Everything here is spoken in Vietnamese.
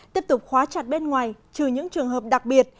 tiếp tục khóa chặt bên ngoài trừ những trường hợp đặc biệt